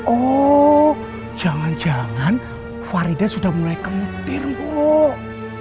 oh jangan jangan farida sudah mulai kengtir mbok